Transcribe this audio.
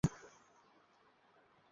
রিফের তা আছে মনে করো?